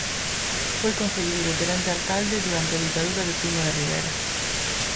Foi concelleiro e Tenente Alcalde durante a Ditadura de Primo de Rivera.